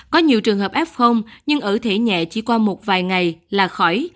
có nhiều trường hợp f nhưng ở thể nhẹ chỉ qua một vài ngày là khỏi